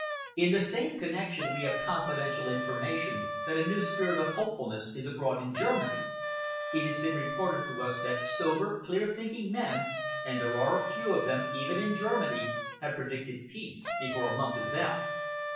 In the same connection, we have confidential information that a new spirit of hopefulness is abroad in Germany. It has been reported to us that sober, clear thinking men and there are a few of them, even in Germany have predicted peace before a month is out."